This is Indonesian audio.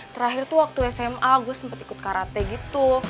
terakhir itu waktu sma gue sempat ikut karate gitu